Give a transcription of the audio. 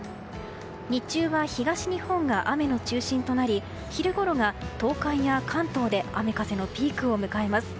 日中は東日本が雨の中心となり昼ごろが東海や関東で雨風のピークを迎えます。